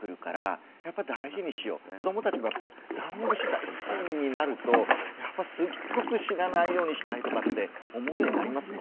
子どもたちもダンゴムシ大好きになるとやっぱすっごく死なないようにしたいとかって思うようになりますもんね。